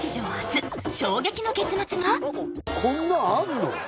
こんなんあんの？